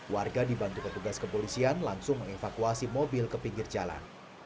warga dibantu petugas kepolisian langsung mengevakuasi mobil ke pinggir jalan